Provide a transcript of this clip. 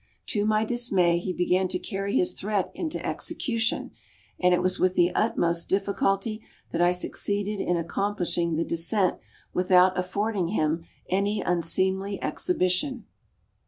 To my dismay he began to carry his threat into execution, and it was with the utmost difficulty that I succeeded in accomplishing the descent without affording him any unseemly exhibition.